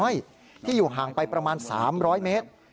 ้อยที่อยู่ห่างไปประมาณ๓๐๐เมตร